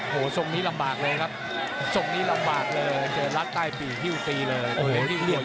โอ้โหทรงนี้ลำบากเลยครับทรงนี้ลำบากเลยเจอรัดใต้ปีกฮิ้วตีเลย